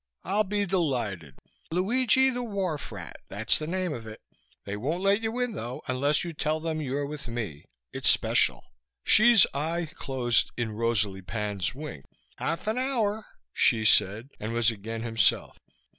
"I'll be delighted." "Luigi the Wharf Rat, that's the name of it. They won't let you in, though, unless you tell them you're with me. It's special." Hsi's eye closed in Rosalie Pan's wink. "Half an hour," Hsi said, and was again himself.